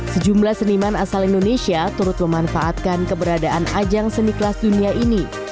sejumlah seniman asal indonesia turut memanfaatkan keberadaan ajang seni kelas dunia ini